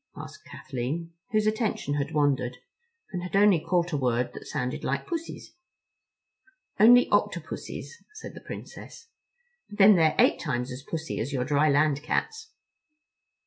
asked Kathleen, whose attention had wandered, and had only caught a word that sounded like Pussies. "Only Octopussies," said the Princess, "but then they're eight times as pussy as your dry land cats."